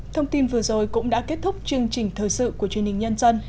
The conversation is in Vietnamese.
thông tin vừa rồi cũng đã kết thúc chương trình thời sự của chương trình nhân dân